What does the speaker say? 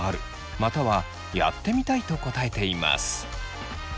またはやってみたいと答えています。